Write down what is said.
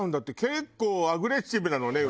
結構アグレッシブなのねうずら。